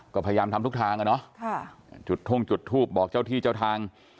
ก็พยายามทำทุกทางอะเนาะจุดท่งจุดทูบบอกเจ้าที่เจ้าทาง